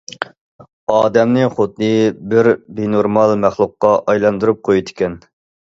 ئادەمنى خۇددى بىر بىنورمال مەخلۇققا ئايلاندۇرۇپ قويىدىكەن.